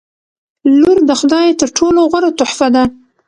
• لور د خدای تر ټولو غوره تحفه ده.